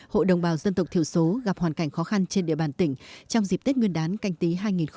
hộ đồng bào dân tộc thiểu số gặp hoàn cảnh khó khăn trên địa bàn tỉnh trong dịp tết nguyên đán canh tí hai nghìn hai mươi